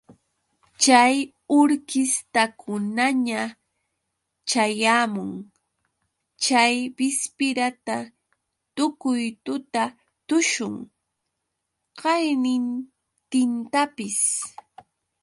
Chay urkistakunaña ćhayamun chay bispira ta tukuy tuta tushun qaynintintapis.